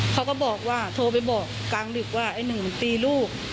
เขาก็บอกว่าโทรไปบอกกลางดึกว่าไอ้หนึ่งมันตีลูก